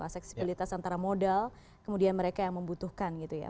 asepsibilitas antara modal kemudian mereka yang membutuhkan gitu ya